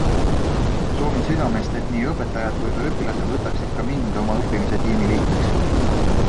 Soovin südamest, et nii õpetajad kui ka õpilased võtaksid ka mind oma õppimise tiimi liikmeks.